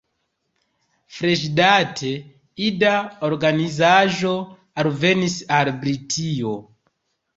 Freŝdate, ida organizaĵo alvenis al Britio.